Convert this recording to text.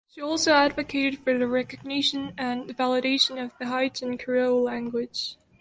She also advocated for the recognition and validation of the Haitian Creole language.